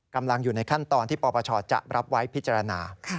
กำลังอยู่ในขั้นตอนที่ปปชจะรับไว้พิจารณา